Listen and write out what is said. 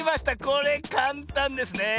これかんたんですね。